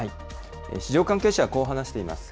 市場関係者はこう話しています。